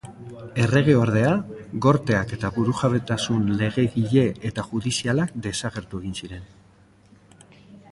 Erregeordea, Gorteak eta burujabetasun legegile eta judizialak desagertu egin ziren.